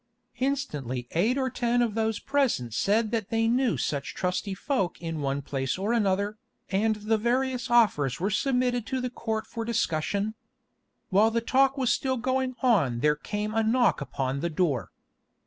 Instantly eight or ten of those present said that they knew such trusty folk in one place or another, and the various offers were submitted to the Court for discussion. While the talk was still going on there came a knock upon the door.